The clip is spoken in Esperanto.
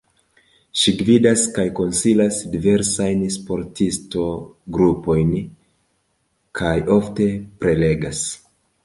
Ŝi gvidas kaj konsilas diversajn sportisto-grupojn kaj ofte prelegas.